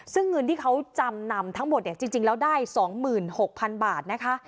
ซึ่งเงินที่เขาจำนำทั้งหมดเนี่ยจริงจริงแล้วได้สองหมื่นหกพันบาทนะคะ